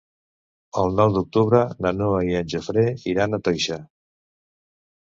El nou d'octubre na Noa i en Jofre iran a Toixa.